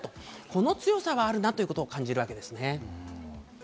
この強さはあるなということを感じたわけですね。